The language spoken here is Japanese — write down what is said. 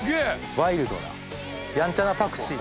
ワイルドなやんちゃなパクチー。